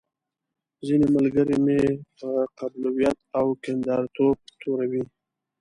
ځينې ملګري مې په قبيلويت او کنداريتوب توروي.